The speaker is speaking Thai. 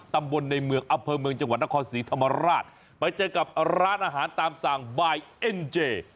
ตำบลในเมืองอำเภอเมืองจังหวัดนครศรีธรรมราชไปเจอกับร้านอาหารตามสั่งบายเอ็นเจ